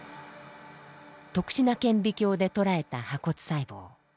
特殊な顕微鏡で捉えた破骨細胞。